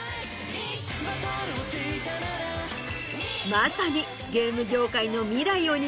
まさに。